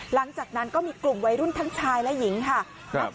หลังจากนั้นก็มีกลุ่มวัยรุ่นทั้งชายและหญิงค่ะ